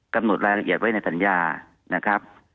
กำหนดรายละเอียดไว้ในสัญญานะครับ